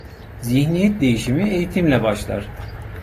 Zihniyet değişimi eğitimle başlar.